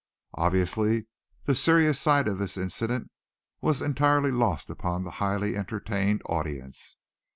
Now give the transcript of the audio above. Obviously the serious side of this incident was entirely lost upon the highly entertained audience.